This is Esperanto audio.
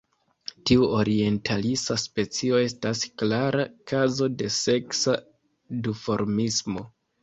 Tiu orientalisa specio estas klara kazo de seksa duformismo.